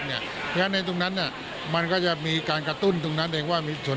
เพราะฉะนั้นในตรงนั้นมันก็จะมีการกระตุ้นตรงนั้นเองว่ามีส่วน